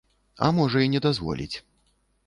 А можа і не дазволіць.